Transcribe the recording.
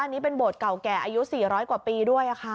อันนี้เป็นโบสถ์เก่าแก่อายุ๔๐๐กว่าปีด้วยค่ะ